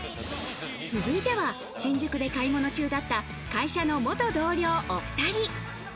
続いては新宿で買い物中だった会社の元同僚お２人。